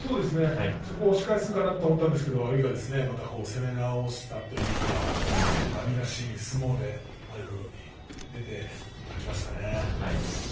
そこを押し返すかなと思いましたが阿炎がまた攻め直したというか阿炎らしい相撲で前に出て勝ちましたね。